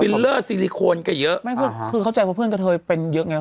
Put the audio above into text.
เลอร์ซีลิโคนก็เยอะไม่เพื่อนคือเข้าใจว่าเพื่อนกระเทยเป็นเยอะไง